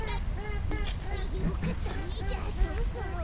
よかったねじゃあそろそろ。